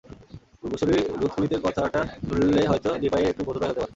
পূর্বসূরি রুদ খুলিতের কথাটা শুনলে হয়তো ডিপাইয়ের একটু বোধোদয় হতে পারে।